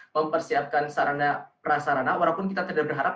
mempersiapkan sarana prasarana walaupun kita tidak berharap